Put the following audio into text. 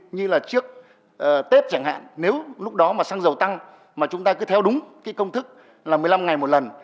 như là trước tết chẳng hạn nếu lúc đó mà xăng dầu tăng mà chúng ta cứ theo đúng cái công thức là một mươi năm ngày một lần